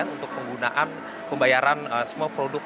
untuk penggunaan pembayaran semua produk